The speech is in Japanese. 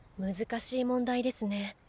難しい問題ですね。